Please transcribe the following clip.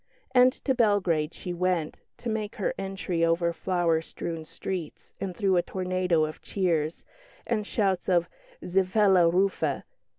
And to Belgrade she went, to make her entry over flower strewn streets, and through a tornado of cheers and shouts of "Zivela Rufe!"